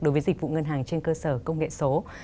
đối với dịch vụ ngân hàng trên cơ sở công nghệ số